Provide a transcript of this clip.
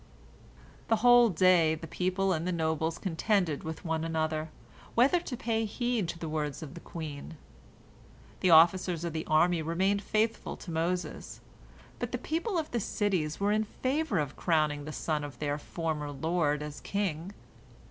A whole day the people and the nobles contended with one another, whether to pay heed to the words of the queen. The officers of the army remained faithful to Moses, but the people of the cities were in favor of crowning the son of their former lord as king.